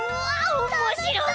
おもしろそう。